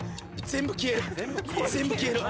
全部消える。